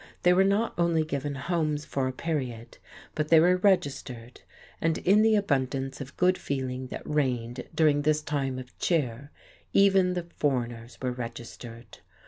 They were not only given homes for a period, but they were registered; and in the abundance of good feeling that reigned during this time of cheer, even the foreigners were registered!